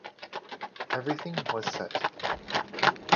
Everything was set.